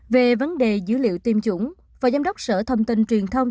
về vấn đề dữ liệu tiêm chủng phó giám đốc sở thông tin truyền thông